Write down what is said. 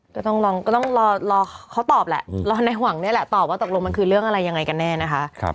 ก็ต้องลองก็ต้องรอเขาตอบแหละรอในหวังนี่แหละตอบว่าตกลงมันคือเรื่องอะไรยังไงกันแน่นะคะ